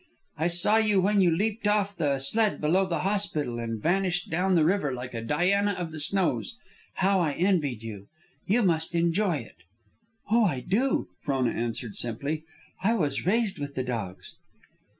I saw you when you leaped off the sled below the hospital and vanished down the river like a Diana of the snows. How I envied you! You must enjoy it." "Oh, I do," Frona answered, simply. "I was raised with the dogs."